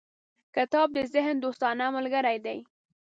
• کتاب د ذهن دوستانه ملګری دی.